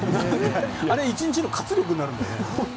あれ、１日の活力になるよね。